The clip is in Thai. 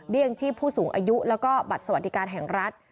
ชีพผู้สูงอายุแล้วก็บัตรสวัสดิการแห่งรัฐ